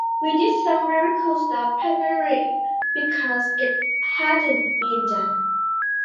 We did some really cool stuff primarily because it hadn't been done.